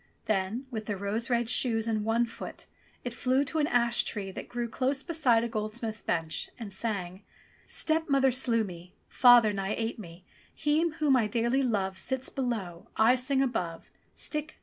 Then with the rose red shoes in one foot it flew to an ash tree that grew close beside a gold smith's bench, and sang : "Stepmother slew me, Father nigh ate me, He whom I dearly love Sits below, I sing above, Stick!